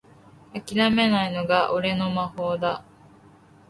あきらめないのが俺の魔法だ